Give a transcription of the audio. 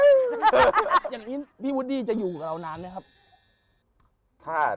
อย่างนี้พี่วูดดี้จะอยู่กับเรานานไหมครับ